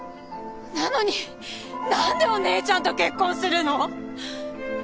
なのになんでお姉ちゃんと結婚するの！？